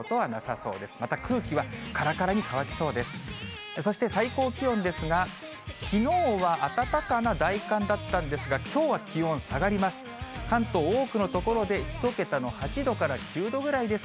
そして最高気温ですが、きのうは暖かな大寒だったんですが、きょうは気温下がります。